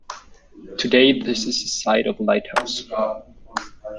Today this is the site of a lighthouse.